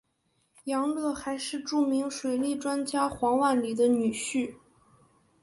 杨乐还是著名水利专家黄万里的女婿。